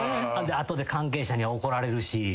後で関係者に怒られるし。